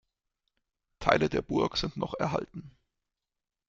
Teile der Burg sind noch erhalten.